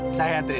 saya anterin ya